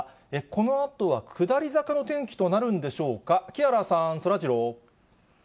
このあとは下り坂の天気となるんでしょうか、木原さん、そらジロ